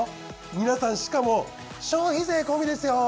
皆さんしかも消費税込みですよ。